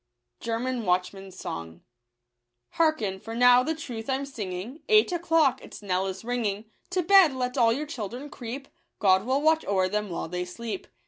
WCHJ^r Hearken, for now the truth I'm singing, Eight o'clock its knell is ringing ; To bed let all your children creep — God will watch o'er them while they sleep.